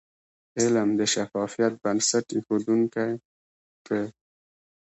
علم د شفافیت بنسټ ایښودونکی د.